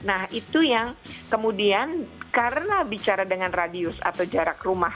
nah itu yang kemudian karena bicara dengan radius atau jarak rumah